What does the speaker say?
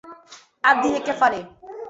Et diré que faré.